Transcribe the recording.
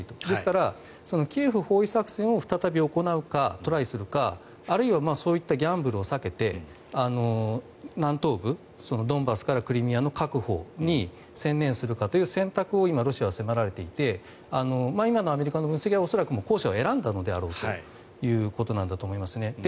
ですからキエフ包囲作戦を再び行うかトライするか、あるいはそういったギャンブルを避けて南東部、ドンバスからクリミアの確保に専念するかという選択を今、ロシアは迫られていて今のアメリカの分析は恐らく後者を選んだのであろうということだと思います。